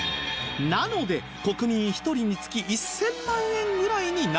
なので国民１人につき１０００万円ぐらいになるんです